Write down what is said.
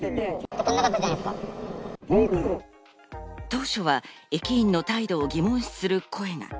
当初は駅員の態度を疑問視する声が。